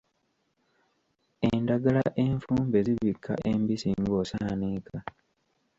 Endagala enfumbe zibikka embisi ng'osaaniika.